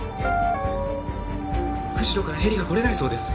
釧路からヘリが来れないそうです。